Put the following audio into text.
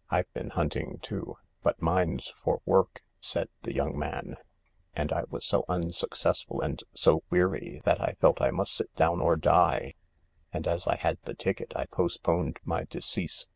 " I've been hunting too — but mine's for work," said the young man ;" and I was so unsuccessful and so weary that I felt I must sit down or die. And as I had the ticket I post poned my decease.